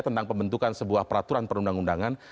tentang pembentukan sebuah peraturan perundang undangan